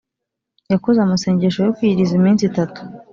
yakoze amasengesho yokwiyiriza iminsi itatu